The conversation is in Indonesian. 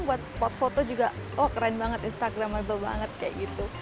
buat spot foto juga oh keren banget instagramable banget kayak gitu